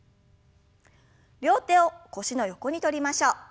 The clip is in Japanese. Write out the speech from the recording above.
両手を腰の横にとりましょう。